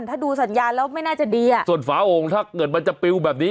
ถ้าดูสัญญาณแล้วไม่น่าจะดีอ่ะส่วนฝาโอ่งถ้าเกิดมันจะปิวแบบนี้